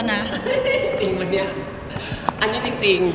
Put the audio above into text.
อันนี้จริง